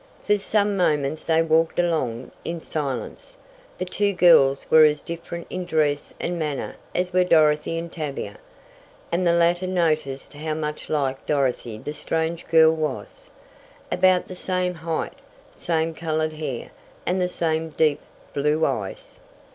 For some moments they walked along in silence. The two girls were as different in dress and manner as were Dorothy and Tavia, and the latter noticed how much like Dorothy the strange girl was. About the same height, same colored hair, and the same deep, blue eyes.